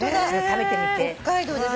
食べてみて。